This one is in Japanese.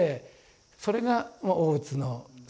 それが大津の姿で。